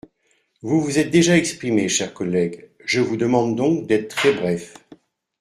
Vous vous êtes déjà exprimé, cher collègue ; je vous demande donc d’être très bref.